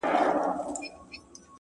چي بیا يې ونه وینم ومي نه ويني ـ